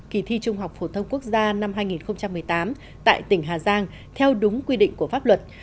kỳ thi trung học phổ thông quốc gia năm hai nghìn một mươi tám tại tỉnh hà giang theo đúng quy định của pháp luật